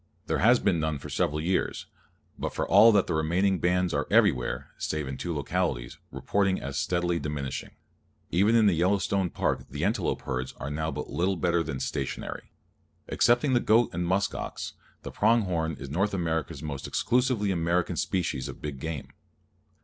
There has been none for several years, but for all that the remaining bands are everywhere (save in two localities) reported as steadily diminishing. Even in the Yellowstone Park the antelope herds are now but little better than stationary. Excepting the goat and musk ox, the prong horn is North America's most exclusively American species of big game.